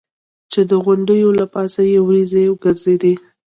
چې د غونډیو له پاسه یې ورېځې ګرځېدې.